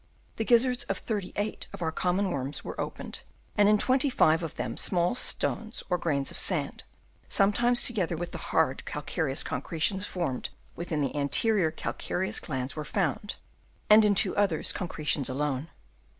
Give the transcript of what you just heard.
The gizzards of thirty eight of our common worms were opened, and in twenty five of them small stones or grains of sand, sometimes together with the hard calcareous concretions formed within the anterior cal ciferous glands, were found, and in two others concretions alone.